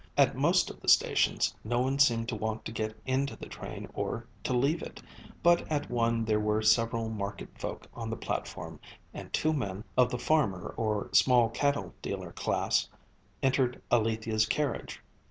At most of the stations no one seemed to want to get into the train or to leave it, but at one there were several market folk on the platform, and two men, of the farmer or small cattle dealer class, entered Alethia's carriage.